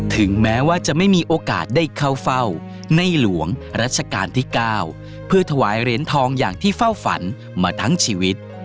ถึงแม้ว่าจะไม่มีโอกาสได้เข้าเฝ้าในหลวงรัชกาลที่๙เพื่อถวายเหรียญทองอย่างที่เฝ้าฝันมาทั้งชีวิต